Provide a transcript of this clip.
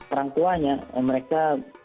orang tuanya mereka